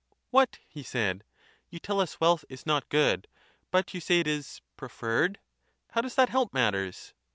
What?' he said. You tell us wealth is not good but you say it is preferred"; how does that help matters?